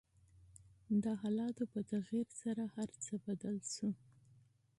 د حالاتو په تغير سره هر څه بدل شول .